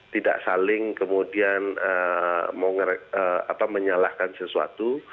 tidak saling kemudian menyalahkan sesuatu